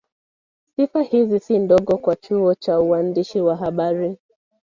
Sifa hizi si ndogo kwa chuo cha uandishi wa habari